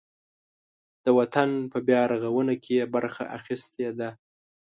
د وطن په بیارغاونه کې یې برخه اخیستې ده.